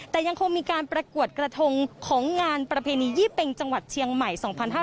แต่ยังคงมีการประกวดกระทงของงานประเพณียี่เป็งจังหวัดเชียงใหม่๒๕๕๙